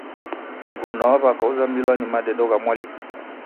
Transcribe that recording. Mruna wa w'aka ozamilwa ni madedo gha mwalimu.